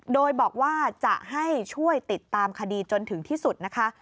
โดยบอกว่าจะให้ช่วยติดตามคดีจนถึงที่สุดนะคะ